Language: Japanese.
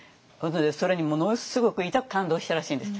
それにものすごくいたく感動したらしいんです。